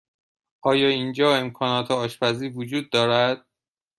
آیا اینجا امکانات آشپزی وجود دارد؟